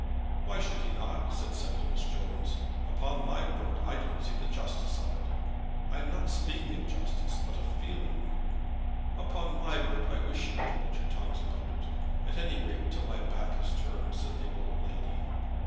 "Why should he not?" said Septimus Jones. "Upon my word I don't see the justice of it." "I am not speaking of justice, but of feeling." "Upon my word I wish you would hold your tongues about it; at any rate till my back is turned," said the old lady.